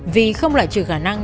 vì không lại trừ khả năng